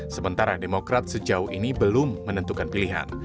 sementara demokrat sejauh ini belum menentukan pilihan